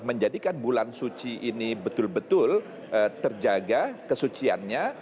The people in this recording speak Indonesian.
menjadikan bulan suci ini betul betul terjaga kesuciannya